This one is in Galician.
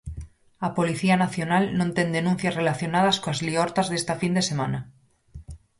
A Policía Nacional non ten denuncias relacionadas coas liortas desta fin de semana.